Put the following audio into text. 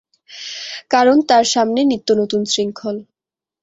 কারণ, তার সামনে নিত্যনতুন শৃঙ্খল।